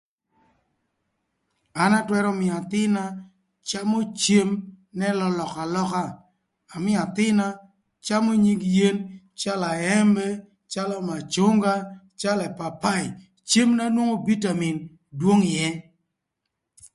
An atwërö mïö athïn-na camö cem n'ëlölökö alöka amïö athïn-na camö nyig yen calö aëmë, calö macunga, calö ëpapaï; cem na nwongo bitamin dwong ïë